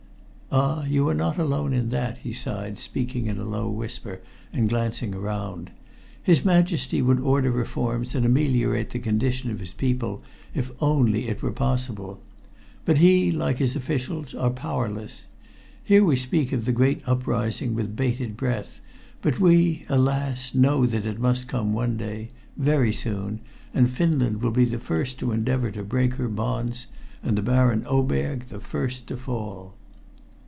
"Ah, you are not alone in that," he sighed, speaking in a low whisper, and glancing around. "His Majesty would order reforms and ameliorate the condition of his people, if only it were possible. But he, like his officials, are powerless. Here we speak of the great uprising with bated breath, but we, alas! know that it must come one day very soon and Finland will be the first to endeavor to break her bonds and the Baron Oberg the first to fall."